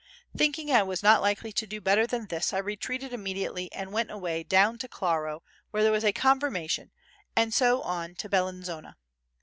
Thinking I was not likely to do better than this, I retreated immediately and went away down to Claro where there was a confirmation and so on to Bellinzona.